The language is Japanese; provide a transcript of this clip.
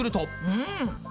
うん。